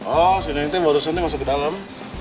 oh si neng itu baru baru masuk ke dalam